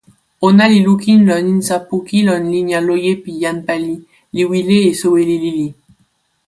ona li lukin lon insa poki lon linja loje pi jan pali, li wile e soweli lili.